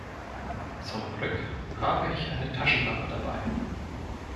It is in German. Zum Glück habe ich eine Taschenlampe dabei.